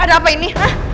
ada apa ini